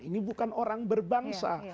ini bukan orang berbangsa